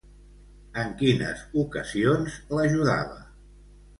En quines ocasions l'ajudava?